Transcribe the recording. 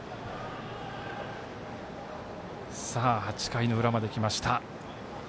８回の裏まできました。